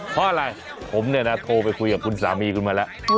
เพราะอะไรผมเนี่ยนะโทรไปคุยกับคุณสามีคุณมาแล้ว